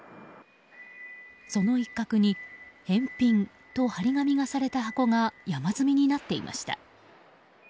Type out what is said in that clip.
その一角に返品と貼り紙がされた箱が山積みになっていました。